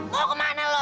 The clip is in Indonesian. gua kemana lo